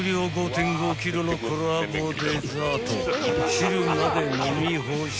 ［汁まで飲み干し］